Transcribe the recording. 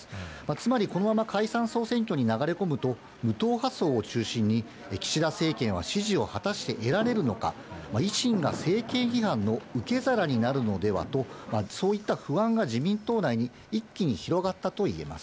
つまりこのまま解散・総選挙に流れ込むと、無党派層を中心に岸田政権は支持を果たして得られるのか、維新が政権批判の受け皿になるのではと、そういった不安が、自民党内に一気に広がったと言えます。